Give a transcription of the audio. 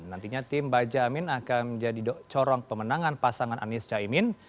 nantinya tim bajamin akan menjadi corong pemenangan pasangan anies cah imin